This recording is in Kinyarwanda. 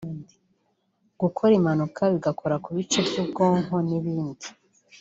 gukora impanuka bigakora ku bice by’ubwonko n’ibindi